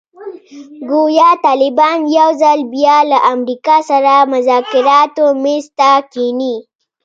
ګویا طالبان یو ځل بیا له امریکا سره مذاکراتو میز ته کښېني.